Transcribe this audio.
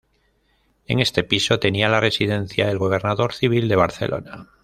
En este piso tenía la residencia el Gobernador Civil de Barcelona.